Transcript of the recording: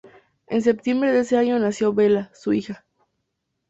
En septiembre de ese año nació Bella, su hija.